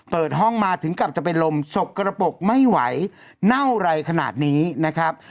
เปิดห้องมาถึงกลับจะเป็นลมสกกระปกไม่ไหวเน่าไรขนาดนี้นะครับ